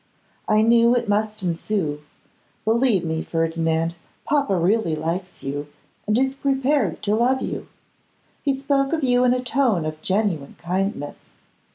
I knew it must ensue. Believe me, Ferdinand, papa really likes you, and is prepared to love you. He spoke of you in a tone of genuine kindness.